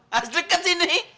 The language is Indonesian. wah asli kesini